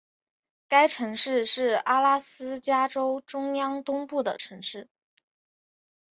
该城市是阿拉斯加州中央东部的城市。